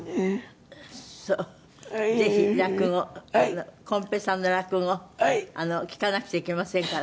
ぜひ落語こん平さんの落語聞かなくちゃいけませんから。